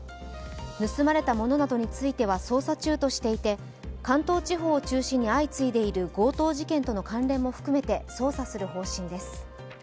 盗まれたものなどについては捜査中としていて、関東地方を中心に相次いでいる強盗事件との関連も含めて関連も含めて捜査する方針です。